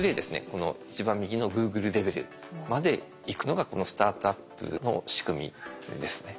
この一番右のＧｏｏｇｌｅレベルまでいくのがこのスタートアップの仕組みですね。